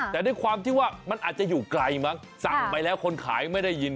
แต่ด้วยความที่ว่ามันอาจจะอยู่ไกลมั้งสั่งไปแล้วคนขายไม่ได้ยิน